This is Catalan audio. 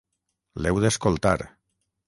L'heu d'escoltar.